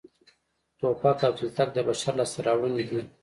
ټوپک او تلتک د بشر لاسته راوړنې دي